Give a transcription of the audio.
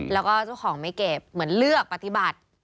แล้วก็เจ้าของไม่เก็บเหมือนเลือกปฏิบัติ